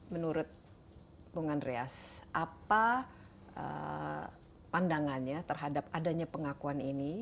menurut bung andreas apa pandangannya terhadap adanya pengakuan ini